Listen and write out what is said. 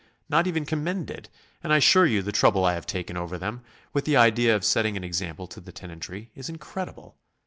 Not even commended! and I assure you the trouble I have taken over them, with the idea of setting an example to the tenantry, is incredible.